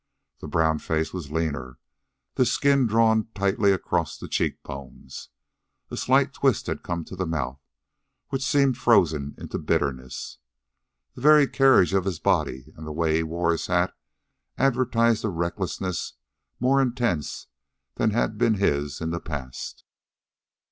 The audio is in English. The brown face was leaner, the skin drawn tightly across the cheekbones. A slight twist had come to the mouth, which seemed frozen into bitterness. The very carriage of his body and the way he wore his hat advertised a recklessness more intense than had been his in the past.